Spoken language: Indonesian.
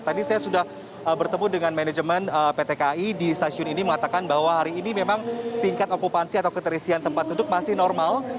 tadi saya sudah bertemu dengan manajemen pt kai di stasiun ini mengatakan bahwa hari ini memang tingkat okupansi atau keterisian tempat duduk masih normal